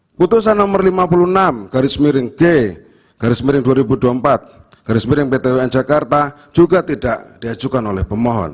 keputusan nomor lima puluh enam g garis miring dua ribu dua puluh empat garis miring pt un jakarta juga tidak diajukan oleh pemohon